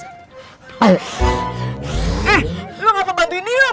eh lu ngapa bantuin dia